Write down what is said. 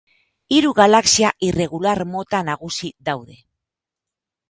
Hiru galaxia irregular mota nagusi daude.